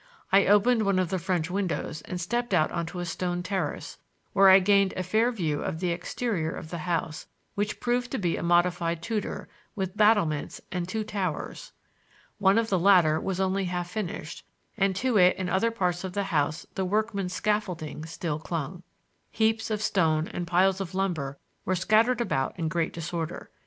I opened one of the French windows and stepped out on a stone terrace, where I gained a fair view of the exterior of the house, which proved to be a modified Tudor, with battlements and two towers. One of the latter was only half finished, and to it and to other parts of the house the workmen's scaffolding still clung. Heaps of stone and piles of lumber were scattered about in great disorder.